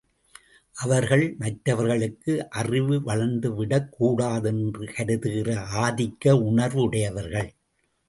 அவர்கள், மற்றவர்களுக்கு அறிவு வளர்ந்துவிடக் கூடாது என்று கருதுகிற ஆதிக்க உணர்வுடையவர்கள்.